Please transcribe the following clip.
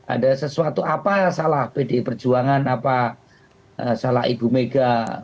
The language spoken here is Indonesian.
ada sesuatu apa salah pdi perjuangan apa salah ibu mega